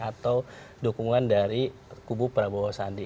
atau dukungan dari kubu prabowo sandi